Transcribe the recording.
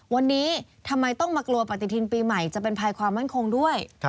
วันนี้ทำไมต้องมากลัวปฏิทินปีใหม่จะเป็นภัยความมั่นคงด้วย